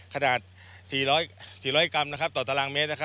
ขนาด๔๐๐กรัมต่อตารางเมตร